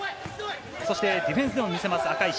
ディフェンスでも見せます、赤石。